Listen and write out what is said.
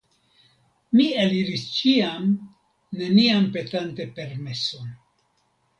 Mi eliris ĉiam, neniam petante permeson.